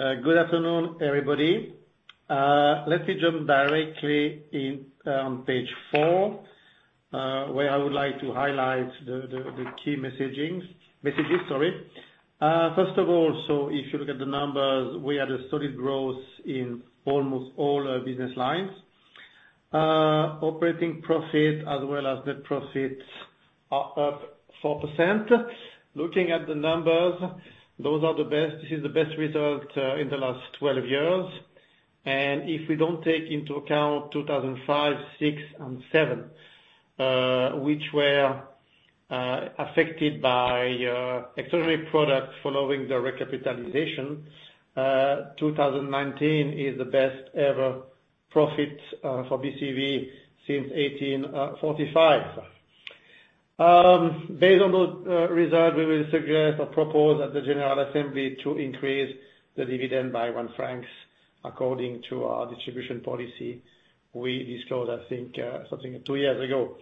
Good afternoon, everybody. Let me jump directly on page four, where I would like to highlight the key messages. First of all, if you look at the numbers, we had a steady growth in almost all business lines. Operating profit as well as net profits are up 4%. Looking at the numbers, this is the best result in the last 12 years. If we don't take into account 2005, 2006, and 2007, which were affected by extraordinary products following the recapitalization, 2019 is the best ever profit for BCV since 1845. Based on those results, we will suggest or propose at the general assembly to increase the dividend by 1 franc according to our distribution policy we disclosed, I think, something two years ago.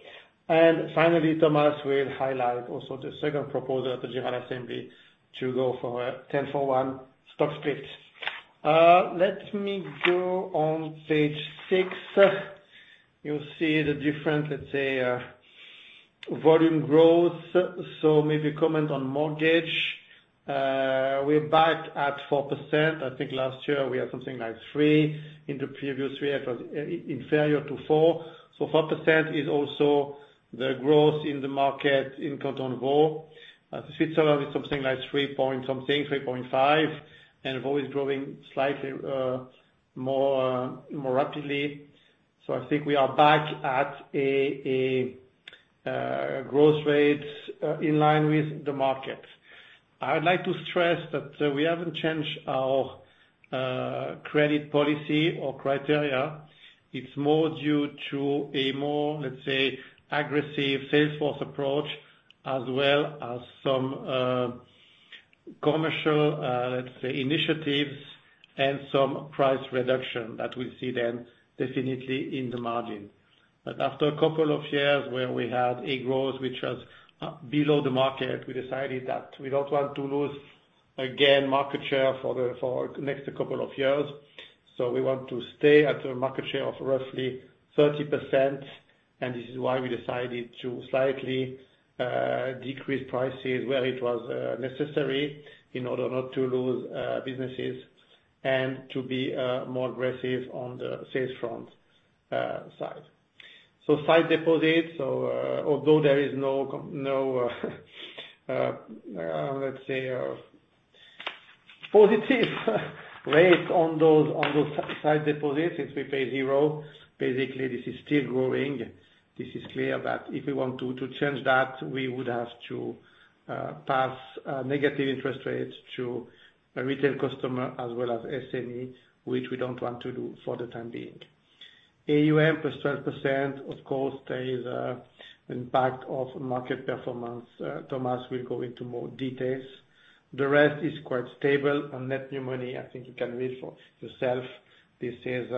Finally, Thomas will highlight also the second proposal at the general assembly to go for a 10-for-1 stock split. Let me go on page six. You see the different, let's say, volume growth. Maybe comment on mortgage. We're back at 4%. I think last year we had something like 3%. In the previous year it was inferior to 4%. 4% is also the growth in the market in canton Vaud. Switzerland is something like three point something, 3.5, and Vaud is growing slightly more rapidly. I think we are back at a growth rate in line with the market. I would like to stress that we haven't changed our credit policy or criteria. It's more due to a more, let's say, aggressive sales force approach, as well as some commercial, let's say, initiatives and some price reduction that we see then definitely in the margin. After a couple of years where we had a growth which was below the market, we decided that we don't want to lose, again, market share for next couple of years. We want to stay at a market share of roughly 30%, and this is why we decided to slightly decrease prices where it was necessary in order not to lose businesses and to be more aggressive on the sales front side. Sight deposits, although there is no let's say, positive rate on those sight deposits since we pay zero. Basically this is still growing. This is clear that if we want to change that, we would have to pass negative interest rates to a retail customer as well as SME, which we don't want to do for the time being. AUM, +12%, of course, there is an impact of market performance. Thomas will go into more details. The rest is quite stable. On net new money, I think you can read for yourself. This is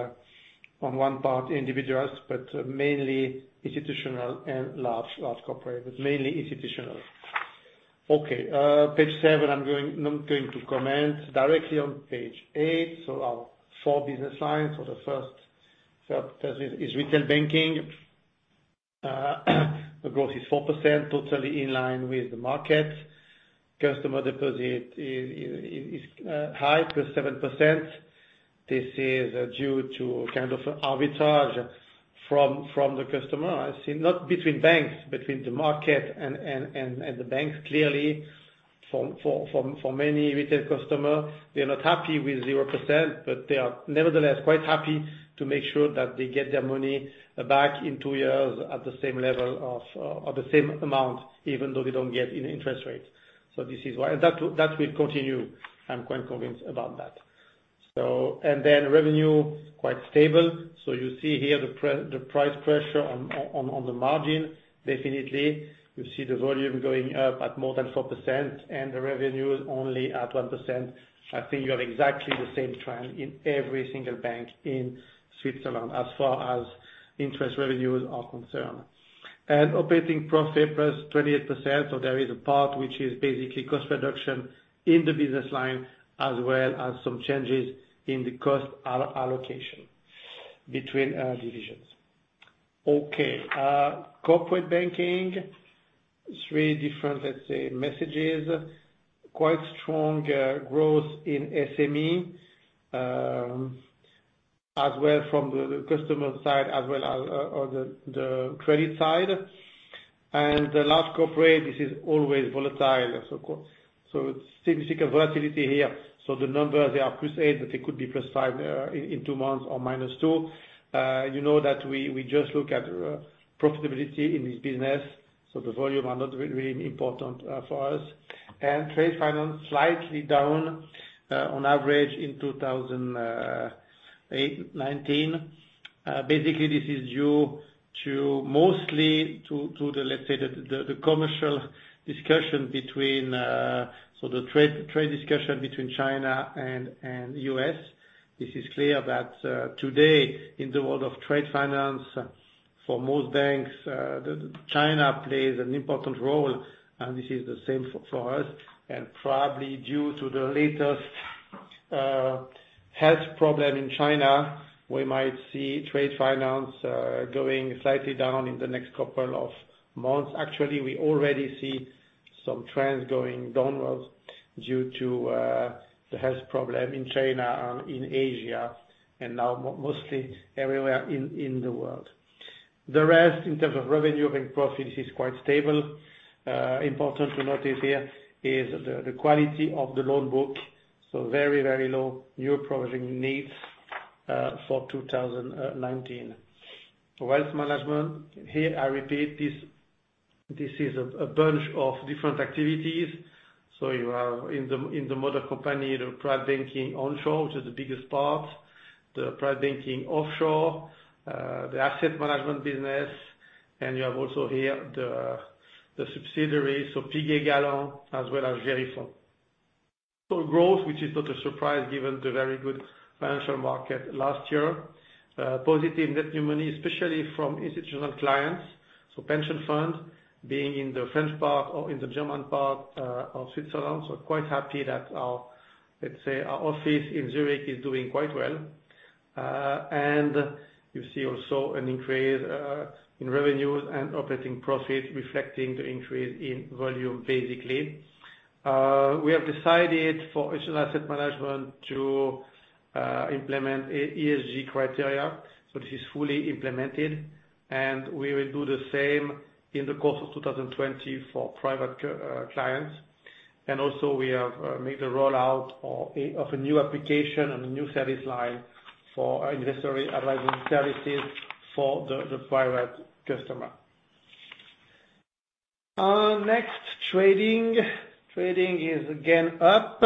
on one part individuals, but mainly institutional and large corporate, but mainly institutional. Page seven, I'm not going to comment. Directly on page eight. Our four business lines, the first is retail banking. The growth is 4%, totally in line with the market. Customer deposit is high, +7%. This is due to kind of arbitrage from the customer. Not between banks, between the market and the banks. Clearly for many retail customer, they're not happy with 0%, but they are nevertheless quite happy to make sure that they get their money back in two years at the same amount, even though they don't get any interest rates. That will continue, I'm quite convinced about that. Revenue, quite stable. You see here the price pressure on the margin. Definitely, you see the volume going up at more than 4%, and the revenue is only at 1%. I think you have exactly the same trend in every single bank in Switzerland as far as interest revenues are concerned. Operating profit, +28%. There is a part which is basically cost reduction in the business line as well as some changes in the cost allocation between divisions. Okay. Corporate banking, three different, let's say, messages, quite strong growth in SME, as well from the customer side as well as on the credit side. The large corporate, this is always volatile, so significant volatility here. The numbers, they are +8, but they could be +5 in two months or -2. You know that we just look at profitability in this business, so the volume are not really important for us. Trade finance, slightly down, on average in 2019. Basically, this is due mostly to the, let's say, the commercial discussion between the trade discussion between China and U.S. This is clear that today in the world of trade finance for most banks, China plays an important role, and this is the same for us, and probably due to the latest health problem in China, we might see trade finance going slightly down in the next couple of months. Actually, we already see some trends going downwards due to the health problem in China and in Asia, and now mostly everywhere in the world. The rest, in terms of revenue and profit, is quite stable. Important to notice here is the quality of the loan book. Very low new provisioning needs for 2019. Wealth management. Here, I repeat, this is a bunch of different activities. You are in the mother company, the private banking onshore, which is the biggest part, the private banking offshore, the asset management business, and you have also here the subsidiaries, Piguet Galland as well as Gérifonds. Growth, which is not a surprise given the very good financial market last year. Positive net new money, especially from institutional clients. Pension fund being in the French part or in the German part of Switzerland. Quite happy that our, let's say, our office in Zurich is doing quite well. You see also an increase in revenues and operating profit reflecting the increase in volume, basically. We have decided for institutional asset management to implement ESG criteria. This is fully implemented, and we will do the same in the course of 2020 for private clients. Also we have made a rollout of a new application and a new service line for our advisory services for the private customer. Trading. Trading is again up.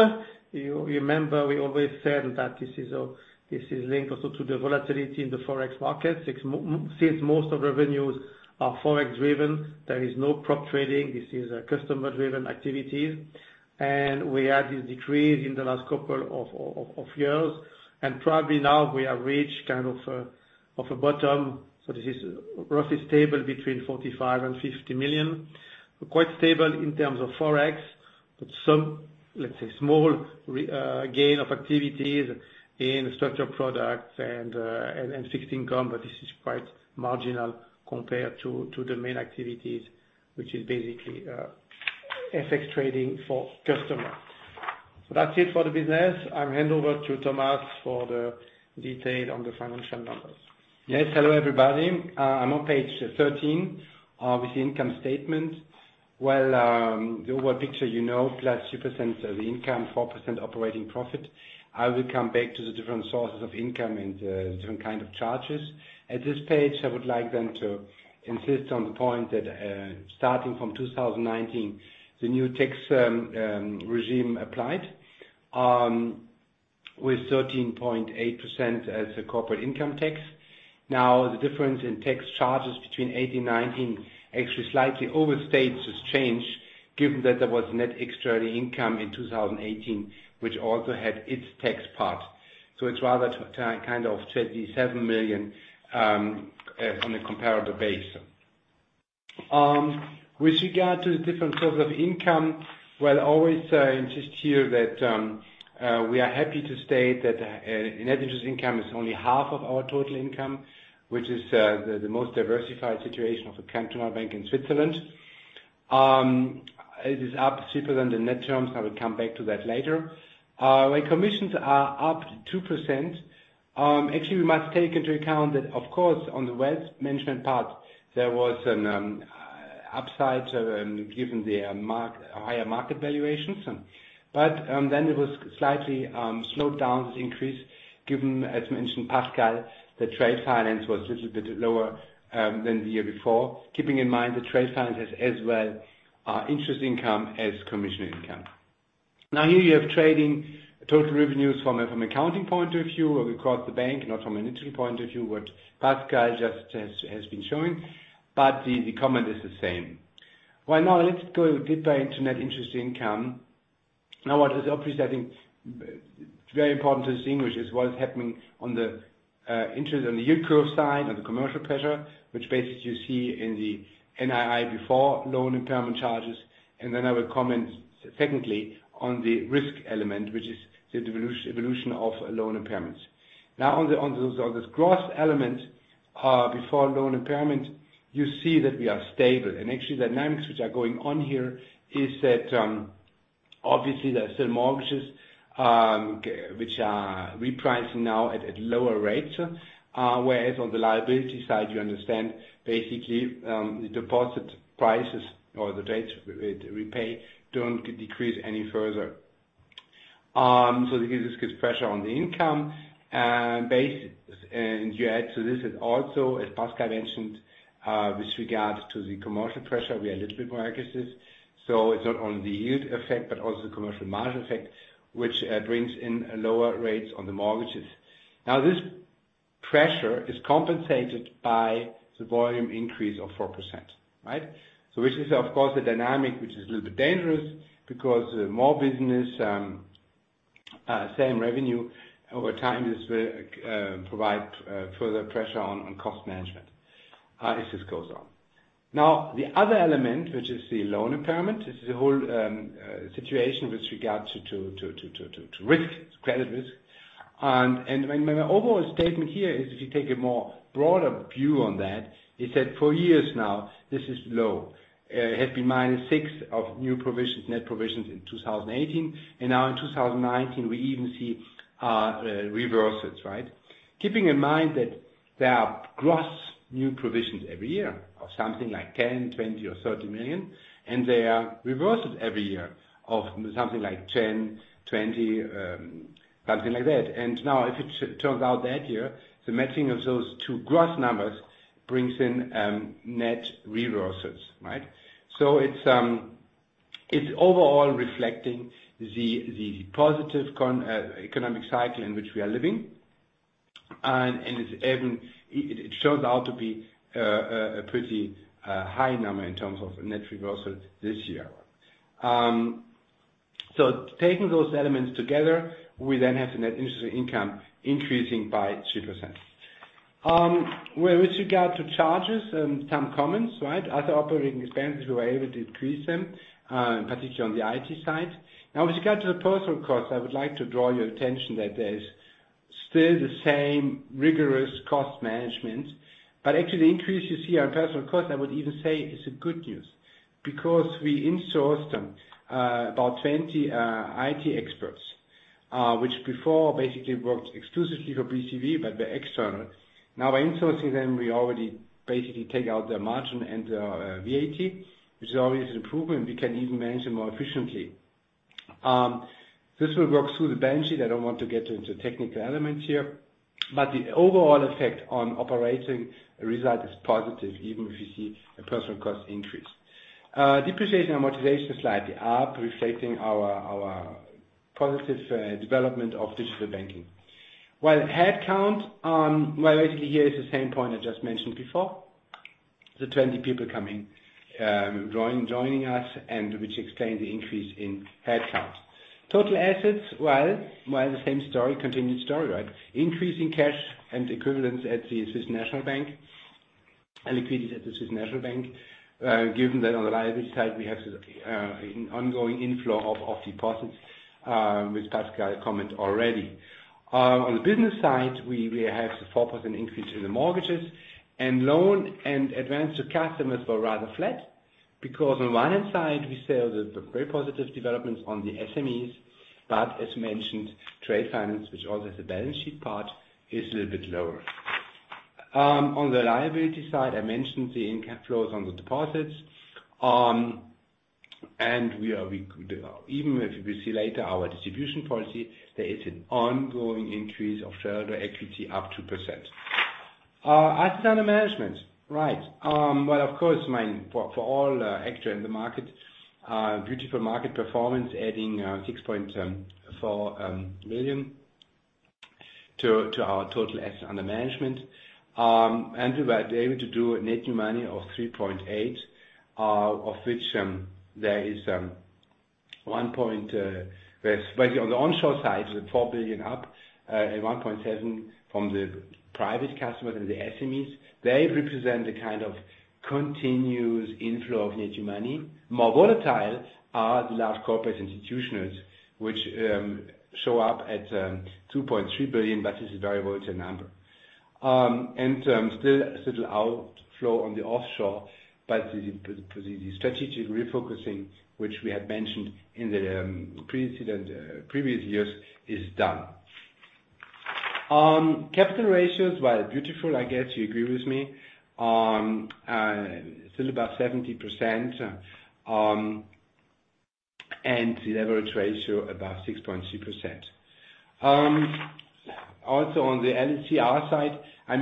You remember we always said that this is linked also to the volatility in the Forex market, since most of revenues are Forex-driven. There is no prop trading. This is a customer-driven activity. We had this decrease in the last couple of years. Probably now we have reached kind of a bottom. This is roughly stable between 45 million and 50 million. Quite stable in terms of Forex, but some, let's say, small gain of activities in structured products and fixed income, but this is quite marginal compared to the main activities, which is basically FX trading for customers. That's it for the business. I'll hand over to Thomas for the detail on the financial numbers. Yes. Hello, everybody. I am on page 13, with the income statement. Well, the overall picture you know, +2% of the income, 4% operating profit. I will come back to the different sources of income and the different kind of charges. At this page, I would like then to insist on the point that starting from 2019, the new tax regime applied, with 13.8% as the corporate income tax. Now, the difference in tax charges between 2018, 2019 actually slightly overstates this change, given that there was net extraordinary income in 2018, which also had its tax part. It is rather kind of 37 million on a comparative basis. With regard to the different sources of income, while I always insist here that we are happy to state that net interest income is only half of our total income, which is the most diversified situation of a cantonal bank in Switzerland. It is up 2% in net terms, I will come back to that later. Our commissions are up 2%. Actually, we must take into account that, of course, on the wealth management part, there was an upside given the higher market valuations. It was slightly slowed down, this increase, given, as mentioned, Pascal, the trade finance was little bit lower than the year before. Keeping in mind that trade finance has as well our interest income as commission income. Here you have trading total revenues from an accounting point of view across the bank, not from an initial point of view, what Pascal just has been showing. The comment is the same. Well, let's go deep into Net Interest Income. What is obviously, I think, very important to distinguish is what is happening on the interest on the yield curve side, on the commercial pressure, which basically you see in the NII before loan impairment charges. I will comment secondly on the risk element, which is the evolution of loan impairments. On this gross element, before loan impairment, you see that we are stable. Actually, the dynamics which are going on here is that, obviously, there are still mortgages which are repricing now at lower rates, whereas on the liability side, you understand basically, the deposit prices or the rates repay don't decrease any further. This gives pressure on the income. You add to this is also, as Pascal mentioned, with regards to the commercial pressure, we are a little bit more aggressive. It's not only the yield effect, but also the commercial margin effect, which brings in lower rates on the mortgages. Now, this pressure is compensated by the volume increase of 4%. Which is, of course, a dynamic which is a little bit dangerous because more business, same revenue over time, this will provide further pressure on cost management as this goes on. The other element, which is the loan impairment, this is the whole situation with regard to risk, credit risk. My overall statement here is, if you take a more broader view on that, is that for years now this is low. It has been minus six of new provisions, net provisions in 2018. Now in 2019, we even see reversals, right? Keeping in mind that there are gross new provisions every year of something like 10 million, 20 million or 30 million, and they are reversed every year of something like 10, 20, something like that. Now, if it turns out that year, the matching of those two gross numbers brings in net reversals, right? It's overall reflecting the positive economic cycle in which we are living. It shows out to be a pretty high number in terms of net reversal this year. Taking those elements together, we then have the Net Interest Income increasing by 2%. With regard to charges, some comments, right? Other operating expenses, we were able to increase them, particularly on the IT side. With regard to the personnel cost, I would like to draw your attention that there is still the same rigorous cost management. Actually, the increase you see on personnel cost, I would even say, is a good news, because we insourced about 20 IT experts, which before basically worked exclusively for BCV, but were external. By insourcing them, we already basically take out their margin and their VAT, which is always an improvement. We can even manage them more efficiently. This will work through the balance sheet. I don't want to get into technical elements here. The overall effect on operating result is positive, even if you see a personal cost increase. Depreciation and amortization slightly up, reflecting our positive development of digital banking. Headcount, well, basically here is the same point I just mentioned before. The 20 people coming, joining us and which explain the increase in headcount. Total assets, well, the same story, continued story, right? Increase in cash and equivalents at the Swiss National Bank, and liquidity at the Swiss National Bank, given that on the liability side, we have an ongoing inflow of deposits, which Pascal comment already. On the business side, we have the 4% increase in the mortgages. Loan and advance to customers were rather flat, because on one hand side, we saw the very positive developments on the SMEs, but as mentioned, trade finance, which also is a balance sheet part, is a little bit lower. On the liability side, I mentioned the inflows on the deposits. Even if you will see later our distribution policy, there is an ongoing increase of shareholder equity up 2%. assets under management. Right. Well, of course, for all actor in the market, beautiful market performance, adding 6.4 million to our total assets under management. We were able to do net new money of 3.8, of which there is Well, on the onshore side, the 4 billion up and 1.7 from the private customers and the SMEs. They represent the kind of continuous inflow of net new money. More volatile are the large corporate institutionals, which show up at 2.3 billion, but this is a very volatile number. Still a little outflow on the offshore, but the strategic refocusing, which we had mentioned in the previous years, is done. Capital ratios, while beautiful, I guess you agree with me, still about 70%, and the leverage ratio above 6.3%. On the LCR side, I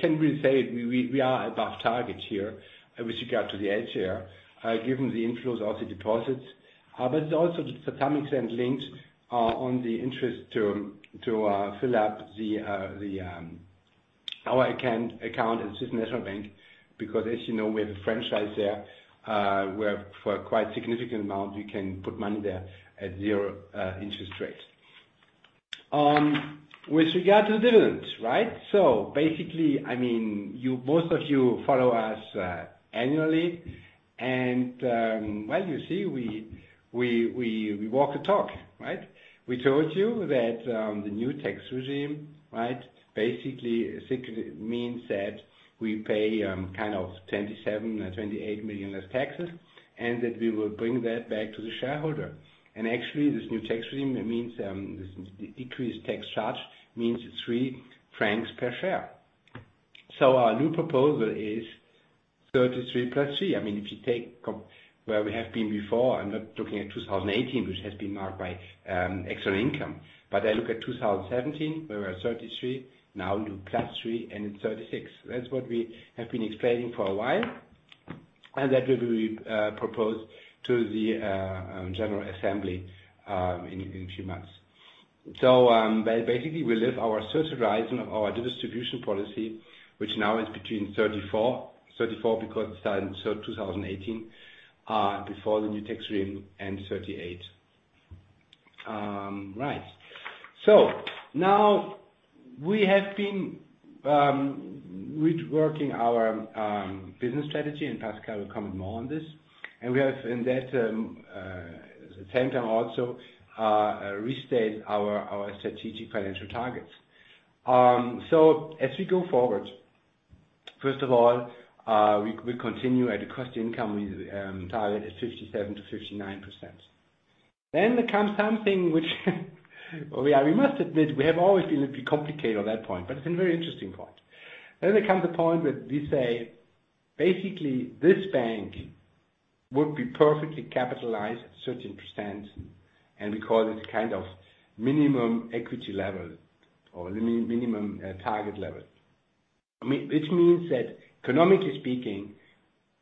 can really say we are above target here with regard to the LCR, given the inflows of the deposits. Also the systemic sight deposits are on the interest to fill up our account at Swiss National Bank, because as you know, we have a franchise there, where for a quite significant amount, we can put money there at zero interest rates. With regard to dividends, right? Basically, most of you follow us annually, and well, you see, we walk the talk, right? We told you that the new tax regime, right, basically means that we pay kind of 27 million, 28 million less taxes, and that we will bring that back to the shareholder. Actually, this new tax regime, this increased tax charge means 3 francs per share. Our new proposal is CHF 33+CHF 3. If you take where we have been before, I'm not looking at 2018, which has been marked by excellent income. I look at 2017, we were at 33. Now we do +3, and it's 36. That's what we have been explaining for a while, and that will be proposed to the general assembly in few months. Basically, we lift our search horizon of our distribution policy, which now is between 34, because it started in 2018, before the new tax regime, and 38. Now we have been reworking our business strategy, and Pascal will comment more on this. We have in that same time also restated our strategic financial targets. As we go forward, first of all, we continue at a cost-to-income target at 57%-59%. There comes something which we must admit we have always been a bit complicated on that point, but it's a very interesting point. There comes a point where we say, basically, this bank would be perfectly capitalized at 13%, and we call this minimum equity level or minimum target level. Which means that economically speaking,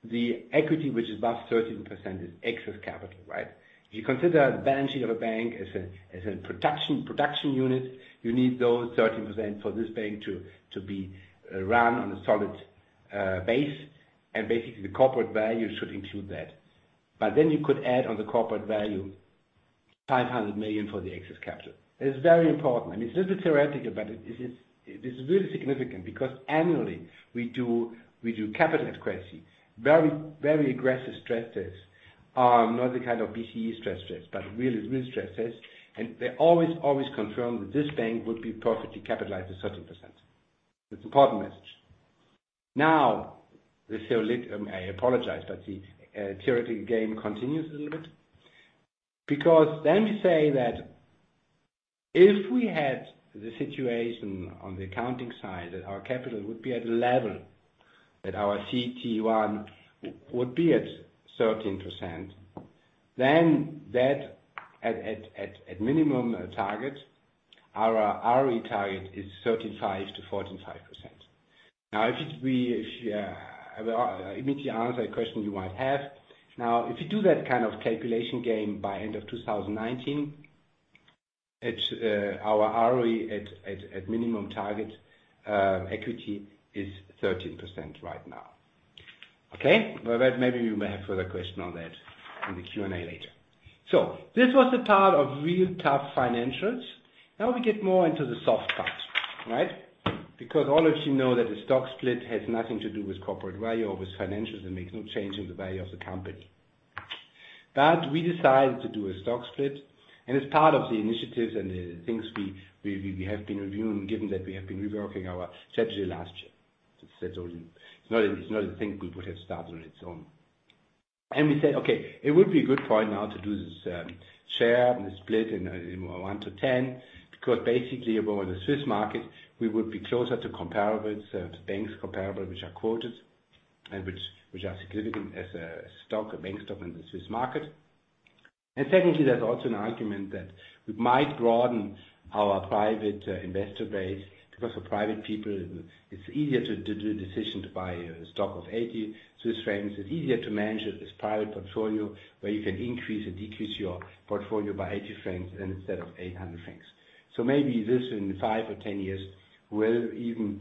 the equity which is above 13% is excess capital, right? If you consider the balancing of a bank as a production unit, you need those 13% for this bank to be run on a solid base, and basically the corporate value should include that. You could add on the corporate value 500 million for the excess capital. It is very important, and it's a little bit theoretical, but it is really significant because annually we do capital queries, very aggressive stress tests. Not the kind of ECB stress tests, but real stress tests. They always confirm that this bank would be perfectly capitalized at 13%. It's an important message. I apologize, but the theoretical game continues a little bit, because then we say that if we had the situation on the accounting side, that our capital would be at a level that our CET1 would be at 13%, then that at minimum target, our ROE target is 35%-45%. I will immediately answer a question you might have. If you do that kind of calculation game by end of 2019, our ROE at minimum target equity is 13% right now. Okay? Well, maybe you may have further question on that in the Q&A later. This was the part of real tough financials. We get more into the soft part, right? Because all of you know that the stock split has nothing to do with corporate value or with financials, and makes no change in the value of the company. We decided to do a stock split, and as part of the initiatives and the things we have been reviewing, given that we have been reworking our strategy last year, it is not a thing we would have started on its own. We said, okay, it would be a good point now to do this share and the split one to 10, because basically on the Swiss market, we would be closer to comparables, banks comparable, which are quoted and which are significant as a bank stock in the Swiss market. Secondly, there is also an argument that we might broaden our private investor base because for private people, it is easier to do a decision to buy a stock of 80 Swiss francs. It is easier to manage this private portfolio, where you can increase and decrease your portfolio by 80 francs instead of 800 francs. Maybe this in five or 10 years will even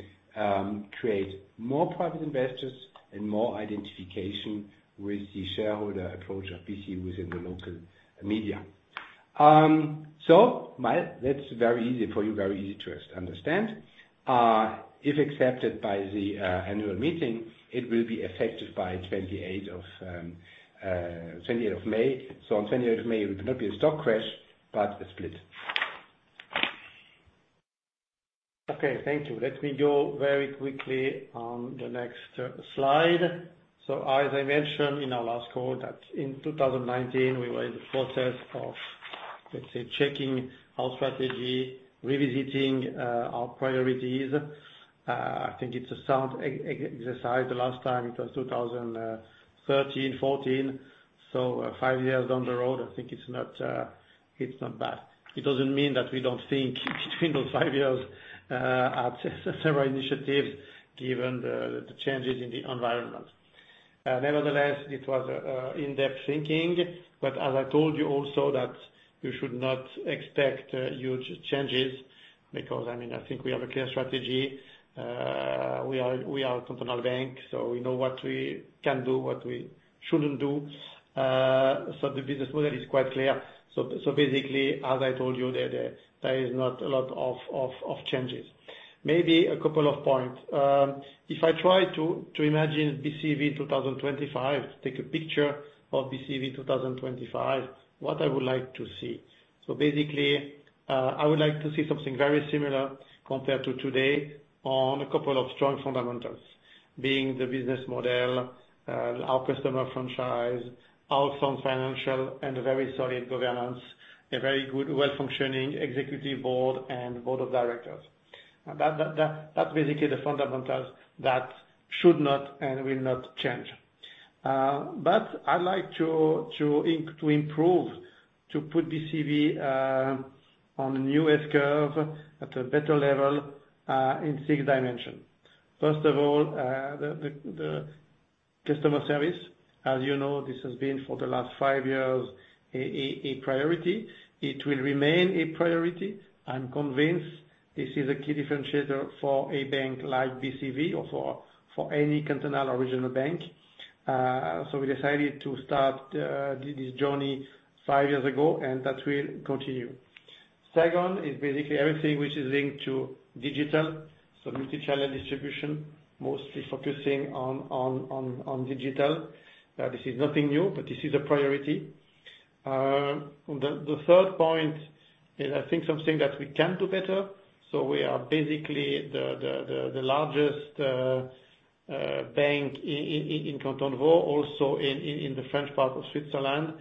create more private investors and more identification with the shareholder approach of BCV within the local media. That's very easy for you, very easy to understand. If accepted by the annual meeting, it will be effective by 28th of May. On 28th of May, it will not be a stock crash, but a split. Okay, thank you. Let me go very quickly on the next slide. As I mentioned in our last call, that in 2019, we were in the process of, let's say, checking our strategy, revisiting our priorities. I think it's a sound exercise. The last time it was 2013, 2014, so five years down the road, I think it's not bad. It doesn't mean that we don't think between those five years at several initiatives, given the changes in the environment. Nevertheless, it was in-depth thinking, but as I told you also that you should not expect huge changes because, I think we have a clear strategy. We are a cantonal bank, so we know what we can do, what we shouldn't do. The business model is quite clear. Basically, as I told you, there is not a lot of changes. Maybe a couple of points. If I try to imagine BCV in 2025, take a picture of BCV 2025, what I would like to see. Basically, I would like to see something very similar compared to today on a couple of strong fundamentals: being the business model, our customer franchise, our strong financial, and very solid governance, a very good well-functioning executive board, and board of directors. That's basically the fundamentals that should not and will not change. I'd like to improve, to put BCV on a new S-curve at a better level, in six dimensions. First of all, the customer service. As you know, this has been for the last five years, a priority. It will remain a priority. I'm convinced this is a key differentiator for a bank like BCV or for any continental or regional bank. We decided to start this journey five years ago, and that will continue. Second is basically everything which is linked to digital, so multi-channel distribution, mostly focusing on digital. This is nothing new, but this is a priority. The third point is, I think, something that we can do better. We are basically the largest bank in Canton Vaud, also in the French part of Switzerland.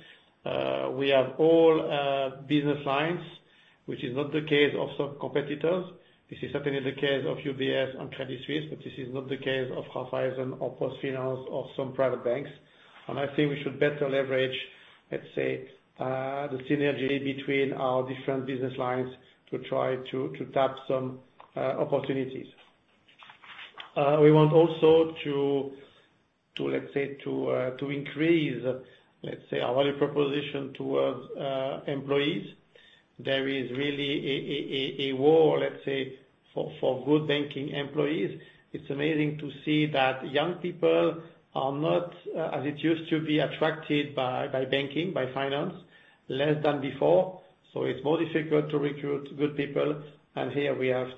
We have all business lines, which is not the case of some competitors. This is certainly the case of UBS and Credit Suisse, but this is not the case of Raiffeisen or PostFinance or some private banks. I think we should better leverage, let's say, the synergy between our different business lines to try to tap some opportunities. We want also to increase our value proposition towards employees. There is really a war, let's say, for good banking employees. It's amazing to see that young people are not, as it used to be, attracted by banking, by finance, less than before. It's more difficult to recruit good people, here we have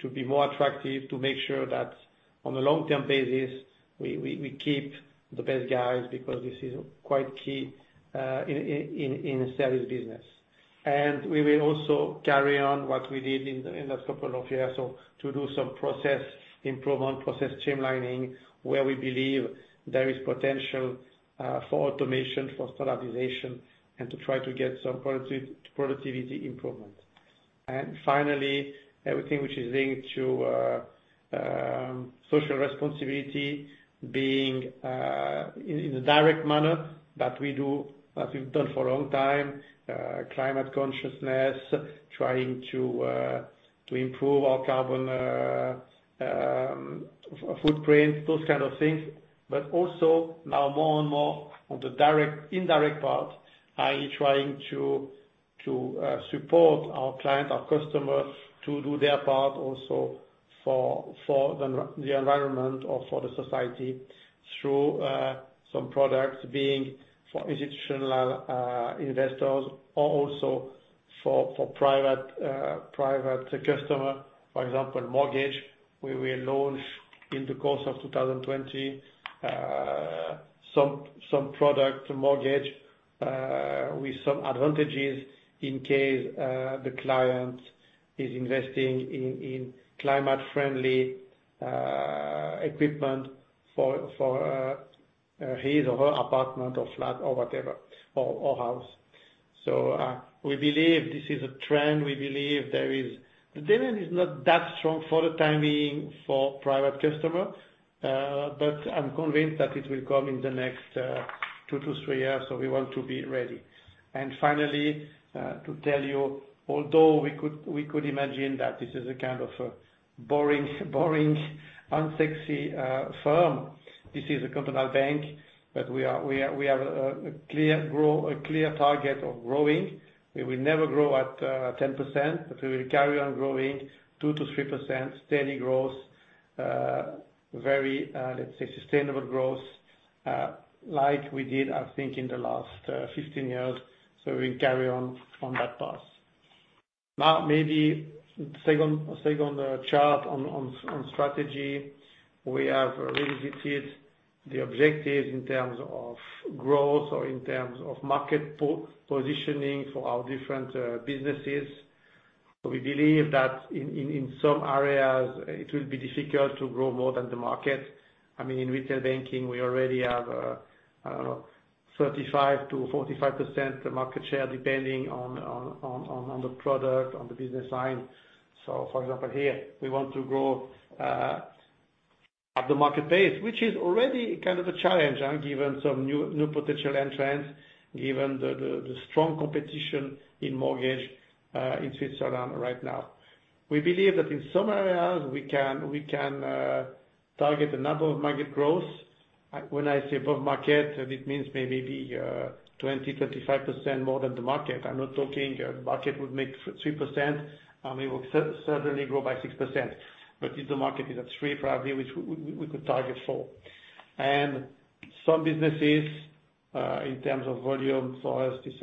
to be more attractive to make sure that on a long-term basis, we keep the best guys, because this is quite key in a sales business. We will also carry on what we did in the last couple of years. To do some process improvement, process streamlining, where we believe there is potential for automation, for standardization, and to try to get some productivity improvement. Finally, everything which is linked to social responsibility being in the direct manner that we've done for a long time. Climate consciousness, trying to improve our carbon footprint, those kind of things. Also now more and more on the indirect part, i.e., trying to support our clients, our customers, to do their part also for the environment or for the society through some products being for institutional investors, also for private customer. For example, mortgage, we will launch in the course of 2020, some product mortgage with some advantages in case the client is investing in climate-friendly equipment for his or her apartment or flat or whatever, or house. We believe this is a trend. The demand is not that strong for the time being for private customer, but I'm convinced that it will come in the next two to three years, so we want to be ready. Finally, to tell you, although we could imagine that this is a kind of boring, unsexy firm, this is a cantonal bank, but we have a clear target of growing. We will never grow at 10%, but we will carry on growing 2%-3%, steady growth, very sustainable growth, like we did, I think, in the last 15 years. We carry on on that path. Now, maybe second chart on strategy. We have revisited the objectives in terms of growth or in terms of market positioning for our different businesses. We believe that in some areas, it will be difficult to grow more than the market. In retail banking, we already have, I don't know, 35%-45% market share, depending on the product, on the business line. For example, here we want to grow at the market pace. Which is already kind of a challenge given some new potential entrants, given the strong competition in mortgage in Switzerland right now. We believe that in some areas we can target a number of market growth. When I say above market, it means maybe 20%, 25% more than the market. I'm not talking market would make 3%, and we will suddenly grow by 6%. If the market is at three, probably, we could target four. Some businesses, in terms of volume, for us, this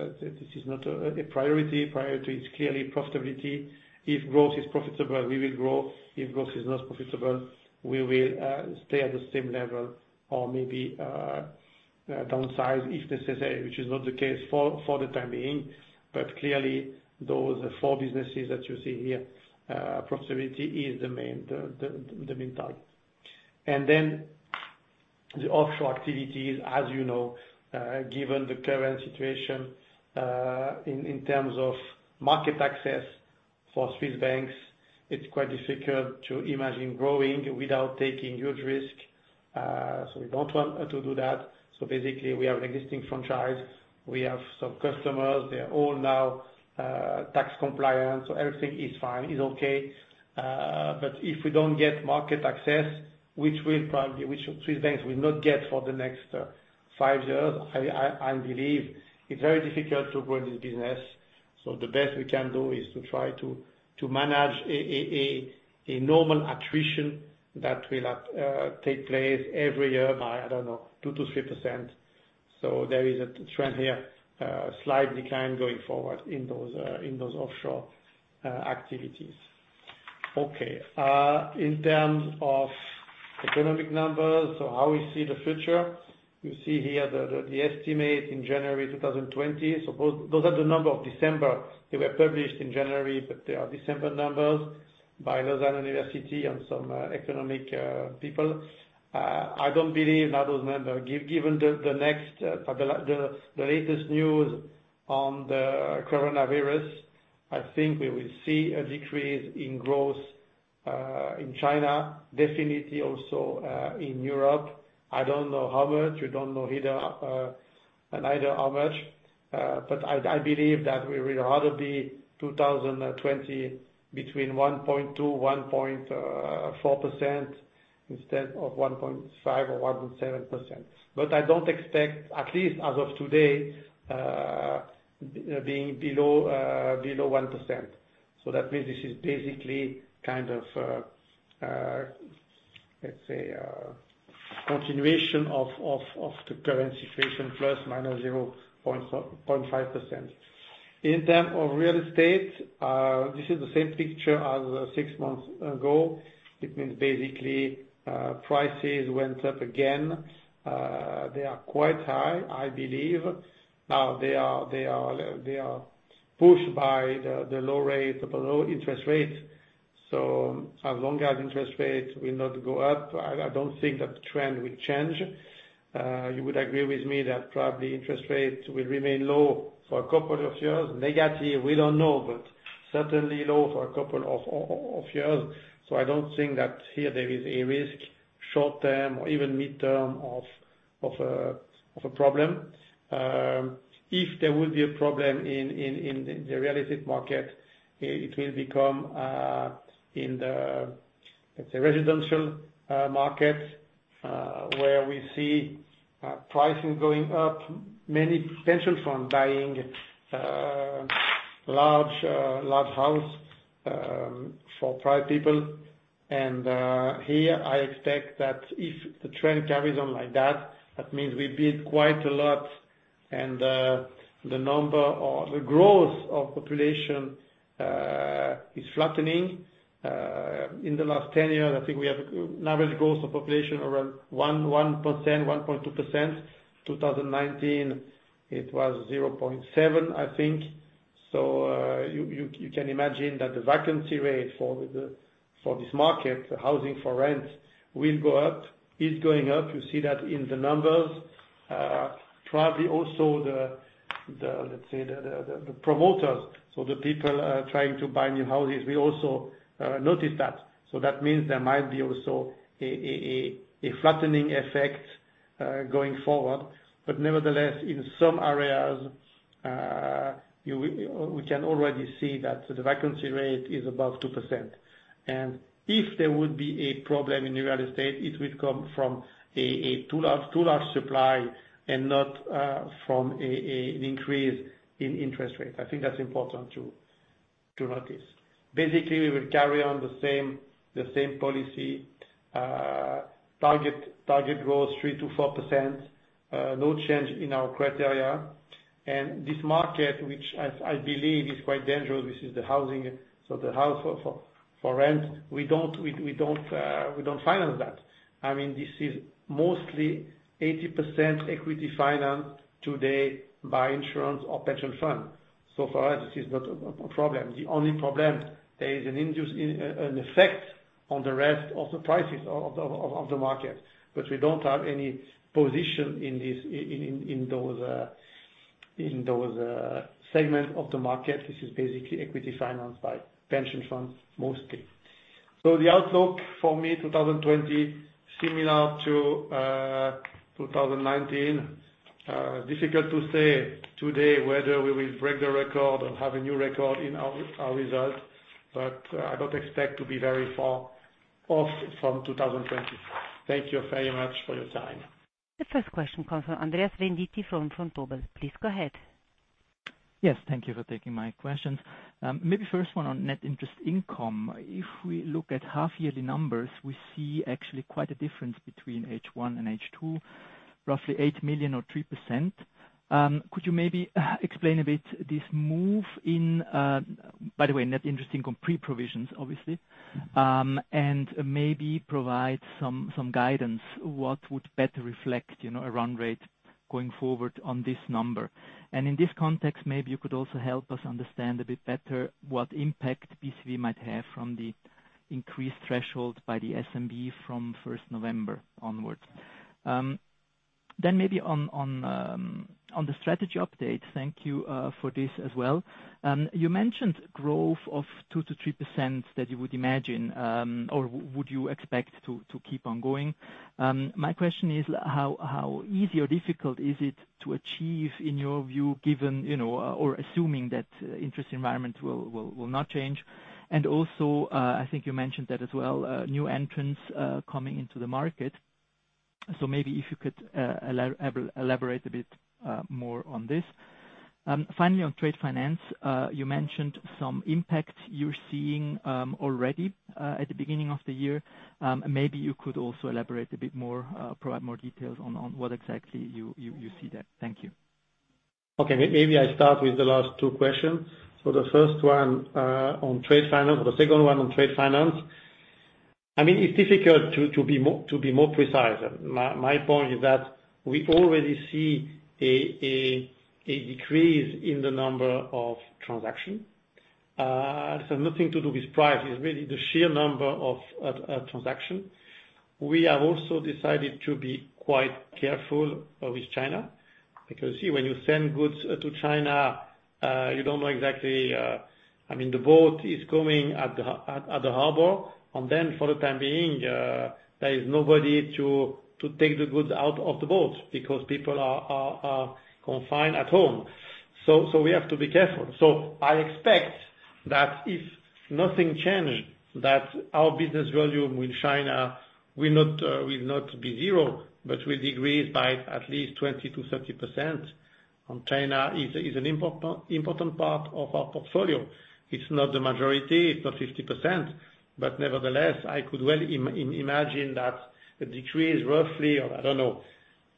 is not a priority. Priority is clearly profitability. If growth is profitable, we will grow. If growth is not profitable, we will stay at the same level or maybe downsize if necessary, which is not the case for the time being. Clearly those four businesses that you see here, profitability is the main target. The offshore activities, as you know, given the current situation in terms of market access for Swiss banks, it's quite difficult to imagine growing without taking huge risk. We don't want to do that. Basically we have existing franchise. We have some customers, they are all now tax compliant. Everything is fine, is okay. If we don't get market access, which Swiss banks will not get for the next five years, I believe, it's very difficult to grow this business. The best we can do is to try to manage a normal attrition that will take place every year by, I don't know, 2%-3%. There is a trend here, a slight decline going forward in those offshore activities. Okay. In terms of economic numbers, how we see the future, you see here the estimate in January 2020. Those are the numbers of December. They were published in January, but they are December numbers by Lausanne University and some economic people. I don't believe those numbers. Given the latest news on the coronavirus, I think we will see a decrease in growth, in China, definitely also in Europe. I don't know how much, you don't know either how much, I believe that we will rather be 2020 between 1.2%-1.4% instead of 1.5% or 1.7%. I don't expect, at least as of today, being below 1%. That means this is basically kind of, let's say, continuation of the current situation, ±0.5%. In terms of real estate, this is the same picture as six months ago. It means basically, prices went up again. They are quite high, I believe. Now they are pushed by the low interest rates. As long as interest rates will not go up, I don't think that the trend will change. You would agree with me that probably interest rates will remain low for a couple of years. Negative, we don't know, but certainly low for a couple of years. I don't think that here there is a risk short-term or even mid-term of a problem. If there will be a problem in the real estate market, it will become in the, let's say, residential markets, where we see pricing going up, many pension funds buying large house, for private people. Here I expect that if the trend carries on like that means we bid quite a lot and the growth of population is flattening. In the last 10 years, I think we have average growth of population around 1%, 1.2%. 2019, it was 0.7%, I think. You can imagine that the vacancy rate for this market, housing for rent will go up, is going up. You see that in the numbers. Probably also the, let's say, the promoters. The people trying to buy new houses will also notice that. That means there might be also a flattening effect, going forward. Nevertheless, in some areas, we can already see that the vacancy rate is above 2%. If there would be a problem in real estate, it would come from a too large supply and not from an increase in interest rates. I think that's important to notice. Basically, we will carry on the same policy, target growth 3%-4%, no change in our criteria. This market, which as I believe is quite dangerous, this is the housing, so the house for rent, we don't finance that. This is mostly 80% equity finance today by insurance or pension fund. For us, this is not a problem. The only problem, there is an effect on the rest of the prices of the market, but we don't have any position in those segments of the market. This is basically equity financed by pension funds mostly. The outlook for me, 2020, similar to 2019. Difficult to say today whether we will break the record or have a new record in our result, but I don't expect to be very far off from 2020. Thank you very much for your time. The first question comes from Andreas Venditti from Vontobel. Please go ahead. Yes. Thank you for taking my questions. First one on net interest income. If we look at half-yearly numbers, we see actually quite a difference between H1 and H2, roughly 8 million or 3%. Could you explain a bit this move in By the way, net interest income pre-provisions, obviously, and provide some guidance, what would better reflect a run rate going forward on this number. In this context, you could also help us understand a bit better what impact BCV might have from the increased threshold by the SNB from 1st November onwards. On the strategy update. Thank you for this as well. You mentioned growth of 2%-3% that you would imagine, would you expect to keep on going. My question is how easy or difficult is it to achieve in your view, given or assuming that interest environment will not change? Also, I think you mentioned that as well, new entrants coming into the market. Maybe if you could elaborate a bit more on this. Finally, on trade finance, you mentioned some impact you're seeing already at the beginning of the year. Maybe you could also elaborate a bit more, provide more details on what exactly you see there. Thank you. Okay. Maybe I start with the last two questions. The first one on trade finance, or the second one on trade finance. It's difficult to be more precise. My point is that we already see a decrease in the number of transactions. Nothing to do with price. It's really the sheer number of transactions. We have also decided to be quite careful with China, because, see, when you send goods to China, you don't know exactly The boat is coming at the harbor, and then for the time being, there is nobody to take the goods out of the boat because people are confined at home. We have to be careful. I expect that if nothing changes, that our business volume with China will not be zero, but will decrease by at least 20%-30%. China is an important part of our portfolio. It's not the majority, it's not 50%, but nevertheless, I could well imagine that the decrease roughly, or I don't know,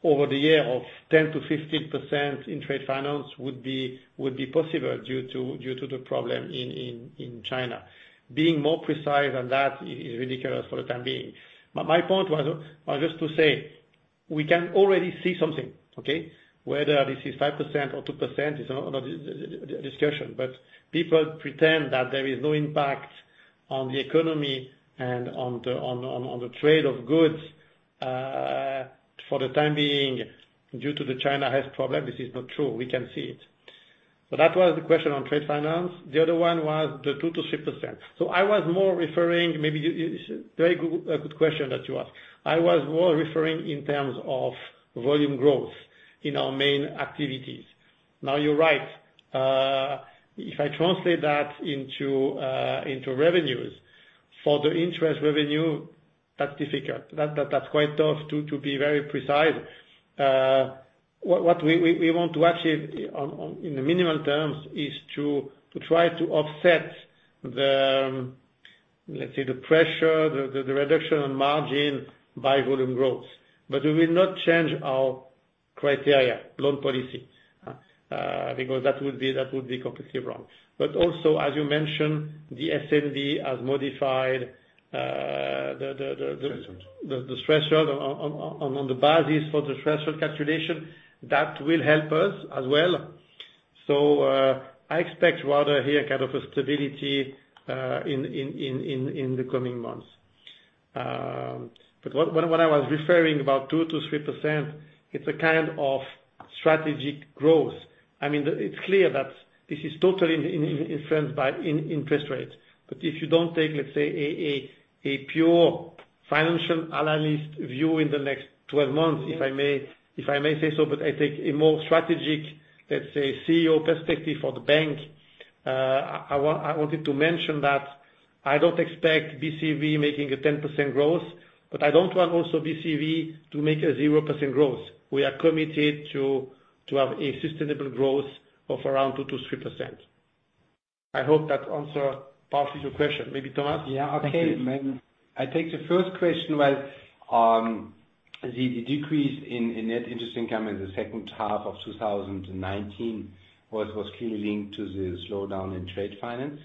over the year of 10%-15% in trade finance would be possible due to the problem in China. Being more precise than that is ridiculous for the time being. My point was just to say, we can already see something, okay? Whether this is 5% or 2% is another discussion, but people pretend that there is no impact on the economy and on the trade of goods for the time being due to the China health problem. This is not true. We can see it. That was the question on trade finance. The other one was the 2%-3%. Very good question that you asked. I was more referring in terms of volume growth in our main activities. You're right. If I translate that into revenues, for the interest revenue, that's difficult. That's quite tough to be very precise. What we want to achieve in the minimum terms is to try to offset the, let's say, the pressure, the reduction in margin by volume growth. We will not change our criteria, loan policy. That would be completely wrong. Also, as you mentioned, the SNB has modified. Thresholds The threshold on the basis for the threshold calculation. That will help us as well. I expect rather here kind of a stability in the coming months. What I was referring about 2% to 3%, it's a kind of strategic growth. It's clear that this is totally influenced by interest rates. If you don't take, let's say, a pure financial analyst view in the next 12 months, if I may say so, but I take a more strategic, let's say, CEO perspective for the bank. I wanted to mention that I don't expect BCV making a 10% growth, but I don't want also BCV to make a 0% growth. We are committed to have a sustainable growth of around 2% to 3%. I hope that answer partially your question. Maybe Thomas? Yeah, okay. Thank you. I take the first question. The decrease in net interest income in the second half of 2019 was clearly linked to the slowdown in trade finance.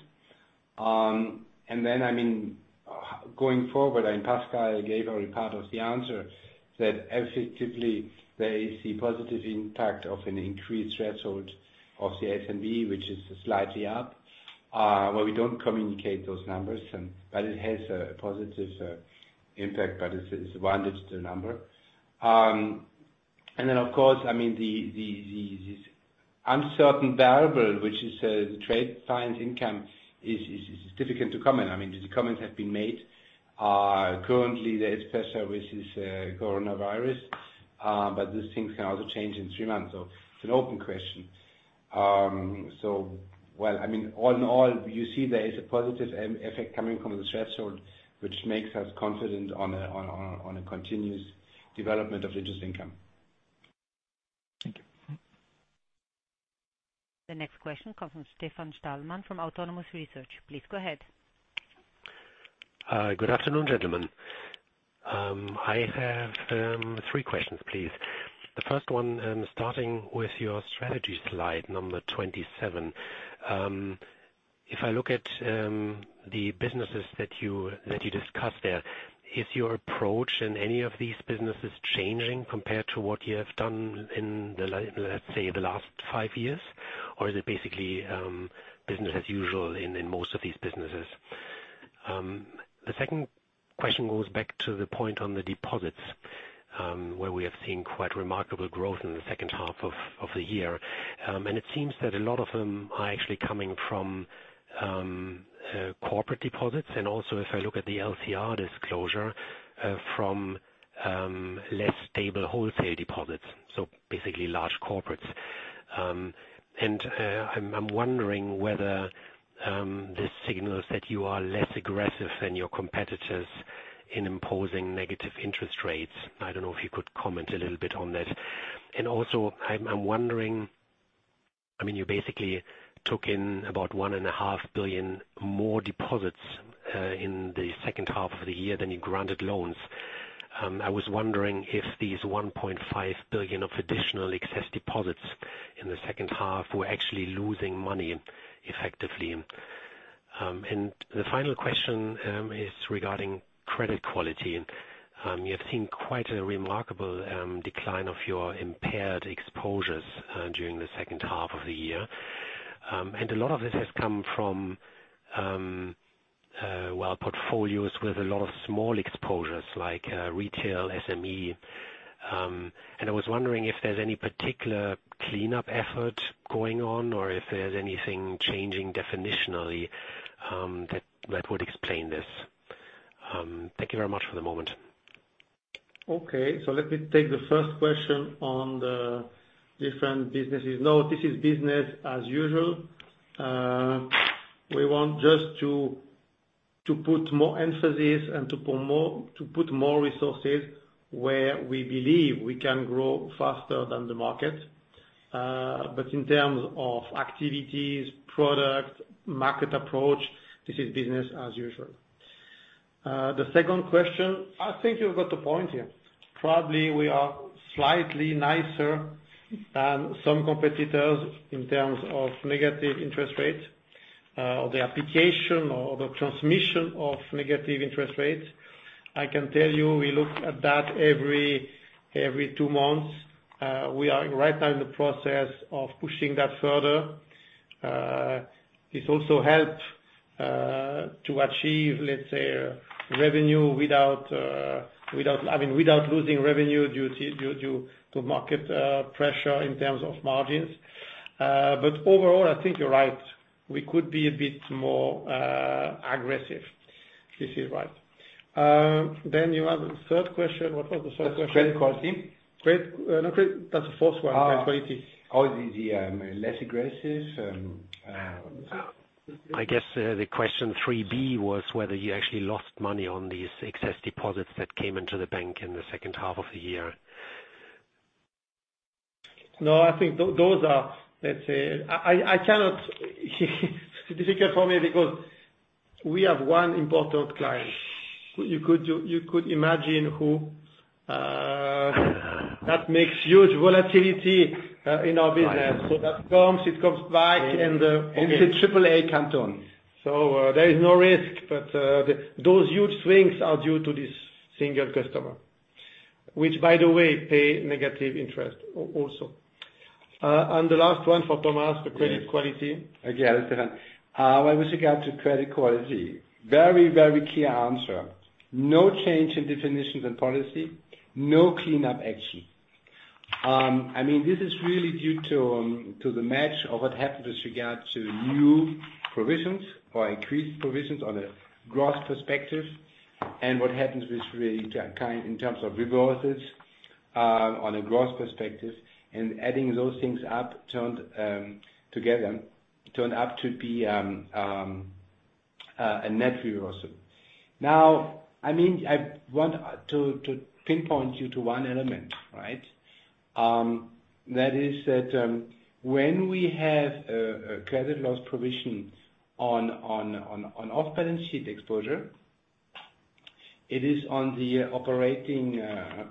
Going forward, Pascal gave already part of the answer, that effectively, there is a positive impact of an increased threshold of the SNB, which is slightly up. We don't communicate those numbers, but it has a positive impact, but it's one digital number. Of course, this uncertain variable, which is the trade finance income, is difficult to comment. The comments have been made. Currently, the expressor is coronavirus. These things can also change in three months, so it's an open question. All in all, you see there is a positive effect coming from the threshold, which makes us confident on a continuous development of interest income. Thank you. The next question comes from Stefan Stalmann from Autonomous Research. Please go ahead. Good afternoon, gentlemen. I have three questions, please. The first one, starting with your strategy slide number 27. If I look at the businesses that you discussed there, is your approach in any of these businesses changing compared to what you have done in the, let's say, the last five years? Is it basically business as usual in most of these businesses? The second question goes back to the point on the deposits, where we have seen quite remarkable growth in the second half of the year. It seems that a lot of them are actually coming from corporate deposits, and also if I look at the LCR disclosure, from less stable wholesale deposits, so basically large corporates. I'm wondering whether this signals that you are less aggressive than your competitors in imposing negative interest rates. I don't know if you could comment a little bit on that. Also, I'm wondering, you basically took in about 1.5 Billion more deposits in the second half of the year than you granted loans. I was wondering if these 1.5 billion of additional excess deposits in the second half were actually losing money effectively. The final question is regarding credit quality. You have seen quite a remarkable decline of your impaired exposures during the second half of the year. A lot of this has come from portfolios with a lot of small exposures like retail, SME. I was wondering if there's any particular cleanup effort going on or if there's anything changing definitionally that would explain this. Thank you very much for the moment. Let me take the first question on the different businesses. This is business as usual. We want just to put more emphasis and to put more resources where we believe we can grow faster than the market. In terms of activities, product, market approach, this is business as usual. The second question, I think you've got a point here. Probably we are slightly nicer than some competitors in terms of negative interest rates, or the application or the transmission of negative interest rates. I can tell you we look at that every two months. We are right now in the process of pushing that further. This also helps to achieve, let's say, without losing revenue due to market pressure in terms of margins. Overall, I think you're right. We could be a bit more aggressive. This is right. You have a third question. What was the third question? Credit quality. That's the fourth one, credit quality. The less aggressive. I guess the question 3B was whether you actually lost money on these excess deposits that came into the bank in the second half of the year. No, I think those are. It's difficult for me because we have one important client. You could imagine who. That makes huge volatility in our business. It comes back. It's a AAA rated canton There is no risk, but those huge swings are due to this single customer, which, by the way, pays negative interest, also. The last one for Thomas, the credit quality. Okay. With regard to credit quality, very clear answer. No change in definitions and policy, no cleanup action. This is really due to the match of what happens with regard to new provisions or increased provisions on a gross perspective, and what happens in terms of reversals, on a gross perspective, and adding those things up together turned out to be a net reversal. I want to pinpoint you to one element. That is that when we have a credit loss provision on off-balance sheet exposure, it is on the operating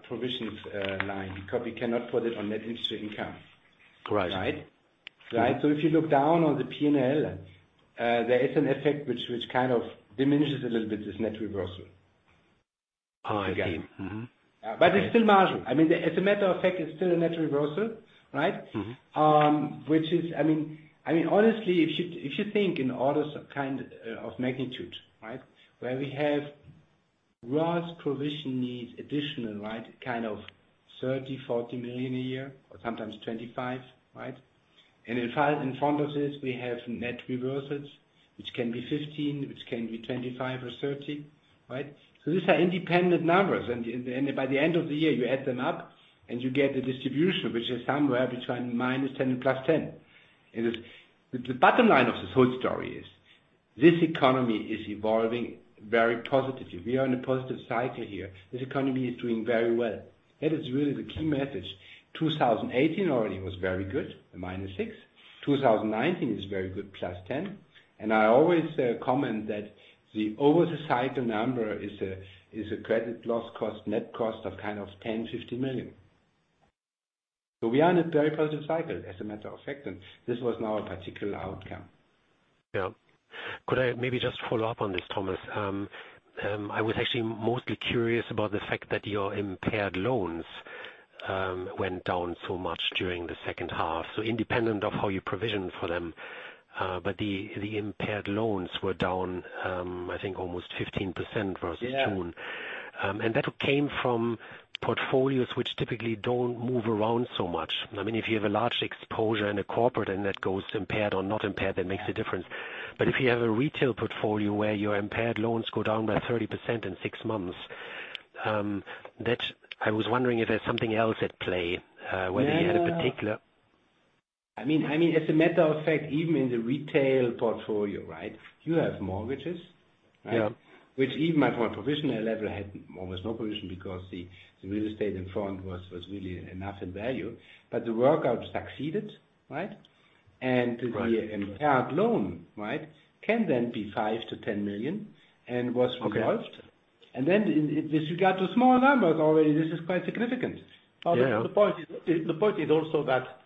provisions line because we cannot put it on net interest income. Right. If you look down on the P&L, there is an effect which kind of diminishes a little bit this net reversal. I see. It's still marginal. As a matter of fact, it's still a net reversal. Which is, honestly, if you think in orders of magnitude, where we have gross provision needs additional, kind of 30 million, 40 million a year, or sometimes 25 million. In front of this, we have net reversals, which can be 15 million, which can be 25 million or 30 million. These are independent numbers, and by the end of the year, you add them up and you get the distribution, which is somewhere between minus 10 million and plus 10 million. The bottom line of this whole story is this economy is evolving very positively. We are in a positive cycle here. This economy is doing very well. That is really the key message. 2018 already was very good, a minus 6 million. 2019 is very good, plus 10 million. I always comment that the over the cycle number is a credit loss cost, net cost of kind of 10 million, 15 million. We are in a very positive cycle, as a matter of fact. This was now a particular outcome. Could I maybe just follow up on this, Thomas? I was actually mostly curious about the fact that your impaired loans went down so much during the second half, so independent of how you provisioned for them. The impaired loans were down, I think almost 15% versus June. Yeah. That came from portfolios which typically don't move around so much. If you have a large exposure in a corporate and that goes impaired or not impaired, that makes a difference. If you have a retail portfolio where your impaired loans go down by 30% in six months, I was wondering if there's something else at play, whether you had a particular. As a matter of fact, even in the retail portfolio, you have mortgages which even at my provision level had almost no provision because the real estate in front was really enough in value. The workout succeeded, right?. Right Impaired loan can then be 5 million-10 million, and was resolved. Okay. With regard to small numbers already, this is quite significant. Yeah. The point is also that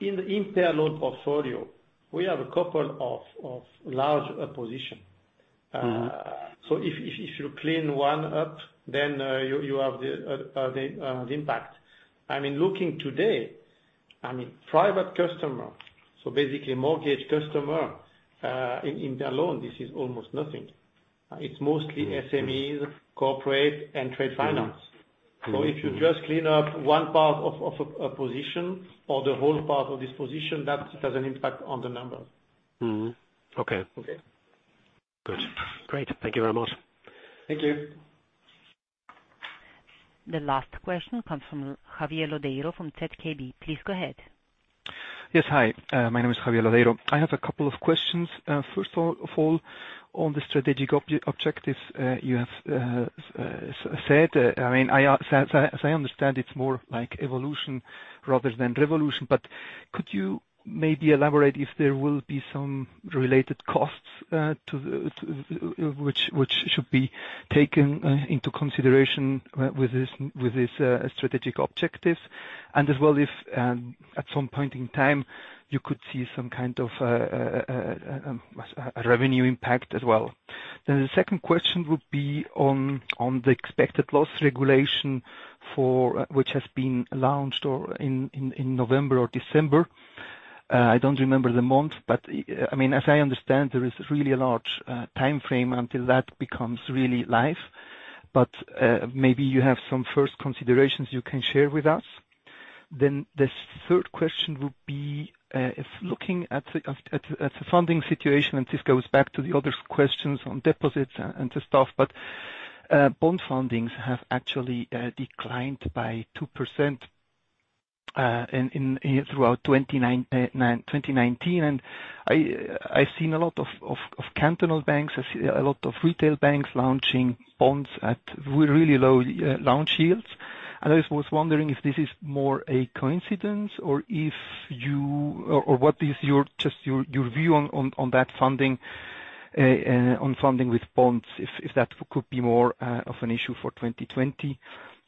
in the impaired loan portfolio, we have a couple of large positions. If you clean one up, then you have the impact. Looking today, private customer, so basically mortgage customer, in their loan, this is almost nothing. It's mostly SMEs, corporate, and trade finance. If you just clean up one part of a position or the whole part of this position, that has an impact on the number. Okay. Okay. Good. Great. Thank you very much. Thank you. The last question comes from Javier Lodeiro from ZKB. Please go ahead. Yes. Hi. My name is Javier Lodeiro. I have a couple of questions. First of all, on the strategic objectives you have said. As I understand, it's more like evolution rather than revolution, but could you maybe elaborate if there will be some related costs which should be taken into consideration with this strategic objective? As well, if at some point in time you could see some kind of a revenue impact as well? The second question would be on the Expected Credit Loss which has been launched in November or December. I don't remember the month, but as I understand, there is really a large time frame until that becomes really live. Maybe you have some first considerations you can share with us. The third question would be, if looking at the funding situation, this goes back to the other questions on deposits and to staff, bond fundings have actually declined by 2% throughout 2019. I've seen a lot of cantonal banks, a lot of retail banks launching bonds at really low launch yields. I was wondering if this is more a coincidence or what is just your view on funding with bonds, if that could be more of an issue for 2020?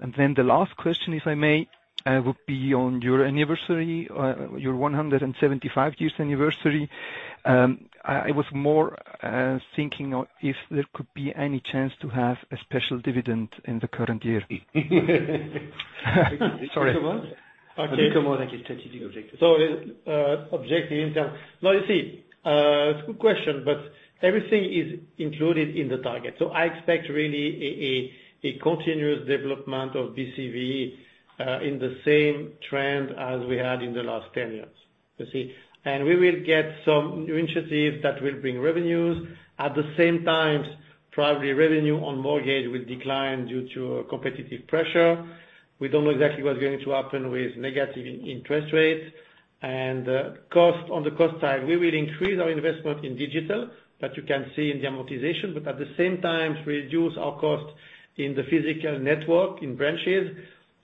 The last question, if I may, would be on your anniversary, your 175 years anniversary. I was more thinking if there could be any chance to have a special dividend in the current year. Sorry. Okay. Objective in term. No, it's a good question. Everything is included in the target. I expect really a continuous development of BCV, in the same trend as we had in the last 10 years. You see? We will get some new initiatives that will bring revenues. At the same time, probably revenue on mortgage will decline due to competitive pressure. We don't know exactly what's going to happen with negative interest rates. On the cost side, we will increase our investment in digital, that you can see in the amortization, but at the same time reduce our cost in the physical network, in branches.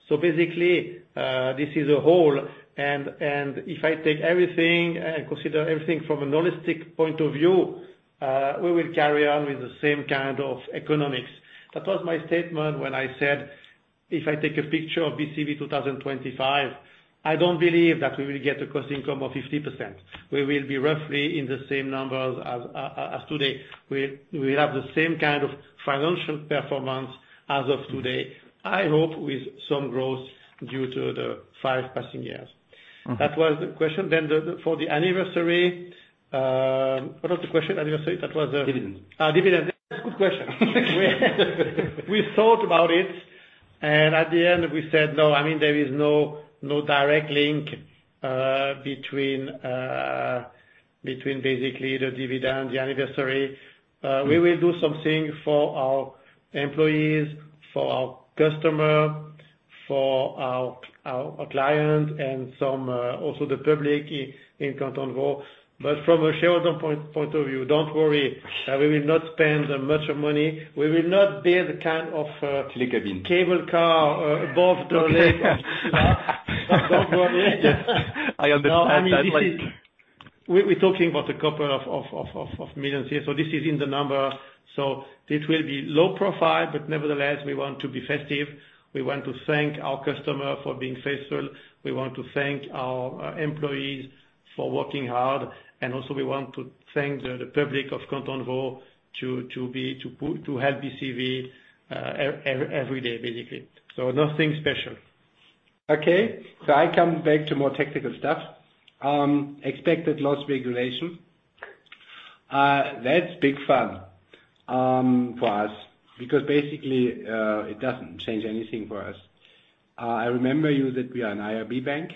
Basically, this is a whole. If I take everything and consider everything from an holistic point of view, we will carry on with the same kind of economics. That was my statement when I said, if I take a picture of BCV 2025, I don't believe that we will get a cost income of 50%. We will be roughly in the same numbers as today. We will have the same kind of financial performance as of today, I hope, with some growth due to the five passing years. That was the question. For the anniversary, what was the question? Dividend. Dividend. That's a good question. We thought about it. At the end, we said no. There is no direct link between basically the dividend, the anniversary. We will do something for our employees, for our customer, for our client, and also the public in Canton Vaud. From a shareholder point of view, don't worry. We will not spend that much money. We will not build a kind of- Telecabin cable car above the lake. Don't worry. I understand that. We're talking about a couple of millions here. This is in the number. It will be low profile, but nevertheless, we want to be festive. We want to thank our customer for being faithful. We want to thank our employees for working hard. Also we want to thank the public of Canton Vaud to help BCV every day, basically. Nothing special. Okay. I come back to more technical stuff. Expected Credit Loss regulation. That's big fun for us, because basically, it doesn't change anything for us. I remember you that we are an IRB bank.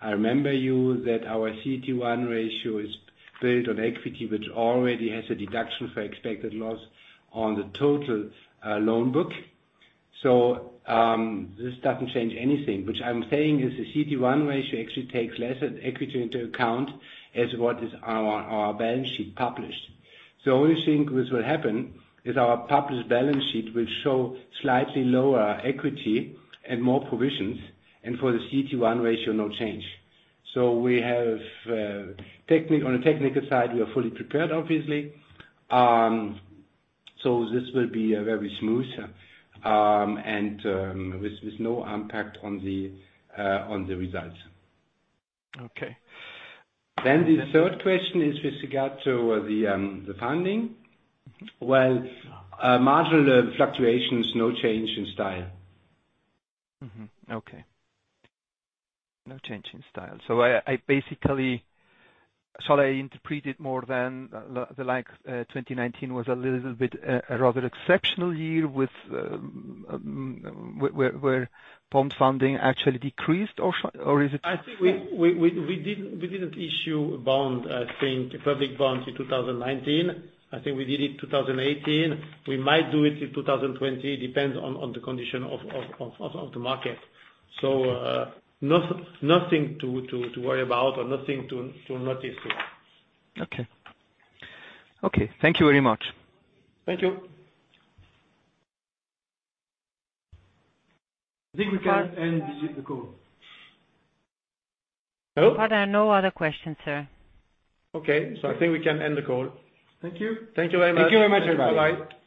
I remember you that our CET1 ratio is built on equity, which already has a deduction for Expected Credit Loss on the total loan book. This doesn't change anything. Which I'm saying is the CET1 ratio actually takes less equity into account as what is our balance sheet published. The only thing which will happen is our published balance sheet will show slightly lower equity and more provisions, and for the CET1 ratio, no change. On a technical side, we are fully prepared, obviously. This will be very smooth, and with no impact on the results. Okay. The third question is with regard to the funding. Well, marginal fluctuations, no change in style. Okay. No change in style. Shall I interpret it more than the like 2019 was a little bit a rather exceptional year where bond funding actually decreased, or is it? I think we didn't issue a bond, I think, a public bond in 2019. I think we did it 2018. We might do it in 2020. It depends on the condition of the market. Nothing to worry about or nothing to notice there. Okay. Thank you very much. Thank you. I think we can end the call. Hello? There are no other questions, sir. Okay, I think we can end the call. Thank you. Thank you very much. Thank you very much everybody. Bye-bye.